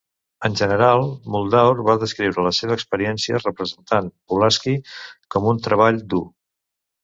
En general, Muldaur va descriure la seva experiència representant Pulaski com un "treball dur".